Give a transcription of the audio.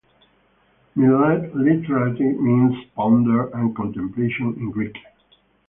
Melete literally means "ponder" and "contemplation" in Greek.